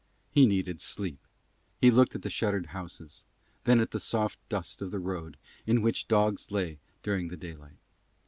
He needed sleep; he looked at the shuttered houses; then at the soft dust of the road in which dogs lay during the daylight.